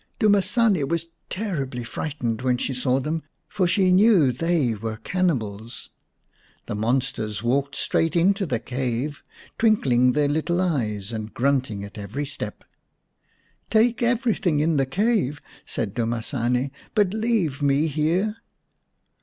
Dumasane was terribly frightened when she 1 126 x The Fairy Bird saw them, for she knew they were cannibals. The monsters walked straight into the cave, twinkling their little eyes and grunting at every step. "Take everything in the cave," said Dumasane, " but leave me here."